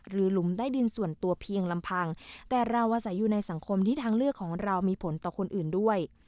หลุมได้ดินส่วนตัวเพียงลำพังแต่เราอาศัยอยู่ในสังคมที่ทางเลือกของเรามีผลต่อคนอื่นด้วย